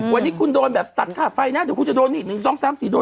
วันนี้คุณโดนแบบตัดค่าไฟนะเดี๋ยวคุณจะโดนนี่๑๒๓๔โดน